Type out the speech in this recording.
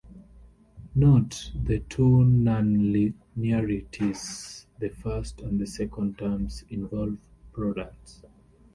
Note the two nonlinearities: the first and second terms involve products.